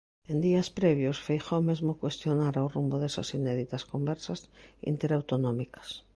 En días previos, Feijóo mesmo cuestionara o rumbo desas inéditas conversas interautonómicas.